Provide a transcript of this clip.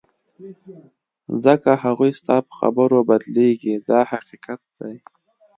ځکه هغوی ستا په خبرو بدلیږي دا حقیقت دی.